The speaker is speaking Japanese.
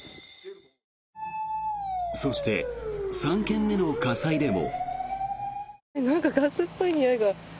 そして、３件目の火災でも。